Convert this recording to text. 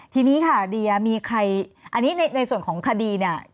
ทีนี้ค่ะเดียมีใครอันนี้ในส่วนของคดีเนี่ย